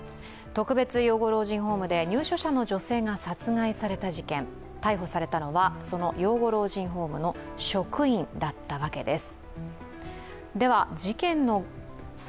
特別養護老人ホームで入所者の女性が殺害された事件逮捕されたのは、その養護老人ホームの職員だったわけです。